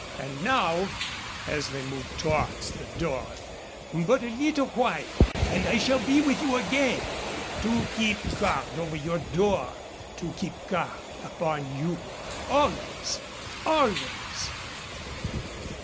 And now" as they moved towards the door "but a little while and I shall be with you again, to keep guard over your door, to keep guard upon you always always."